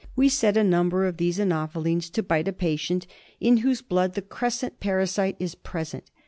We set a number of these anophelines to bite a patient in whose blood the crescent parasite is present.